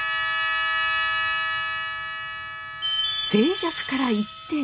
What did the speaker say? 静寂から一転！